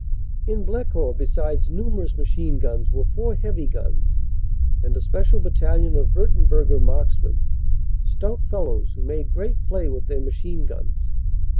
In Blecourt besides numerous machine guns were four o heavy guns and a special battalion of Wurternburger marks men, stout fellows who made great play with their machine guns.